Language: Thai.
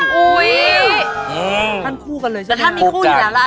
ท่านคู่กันเลยใช่ไหม